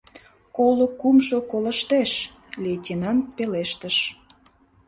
— Коло кумшо колыштеш, — лейтенант пелештыш.